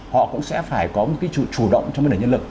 họ cũng sẽ phải có một cái sự chủ động trong vấn đề nhân lực